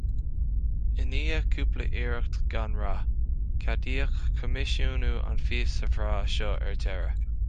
I ndiaidh cúpla iarracht gan rath, ceadaíodh coimisiúnú an phíosa bhreá seo ar deireadh